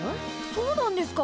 そうなんですか？